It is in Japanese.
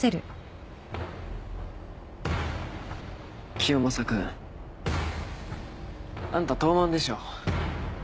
キヨマサ君あんた東卍でしょ？